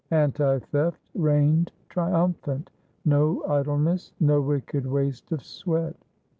Anti theft reigned triumphant. No idleness, no wicked waste of sweat.